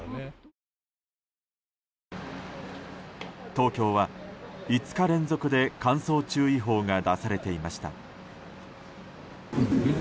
東京は、５日連続で乾燥注意報が出されていました。